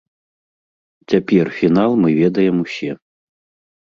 Цяпер фінал мы ведаем усе.